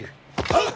「はっ！」